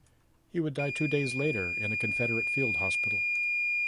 He would die two days later in a Confederate field hospital.